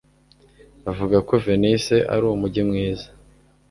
Bavuga ko Venise ari umujyi mwiza.